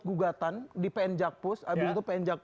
oh iya benar